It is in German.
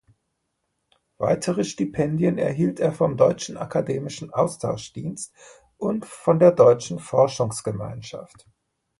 Weitere Stipendien erhielt er vom Deutschen Akademischen Austauschdienst und von der der Deutschen Forschungsgemeinschaft.